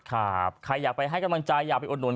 ใครอยากไปให้กำลังใจอยากไปอุดหนุ